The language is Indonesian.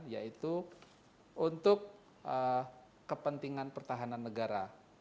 yaitu untuk kepentingan pertahanan negara